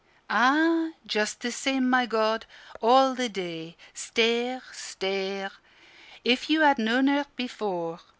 "Ah, just the same, my God! All the day stare stare. If you had known her before!